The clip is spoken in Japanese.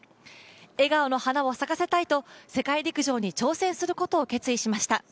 笑顔の花を咲かせたいと世界陸上に挑戦することを決意しました。